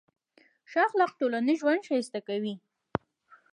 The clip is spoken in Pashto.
ښه اخلاق ټولنیز ژوند ښایسته کوي.